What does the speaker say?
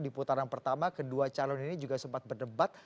di putaran pertama kedua calon ini juga sempat berdebat